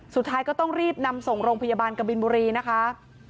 สุดท้ายก็ต้องรีบนำส่งโรงพยาบาลกบินบุรีนะคะ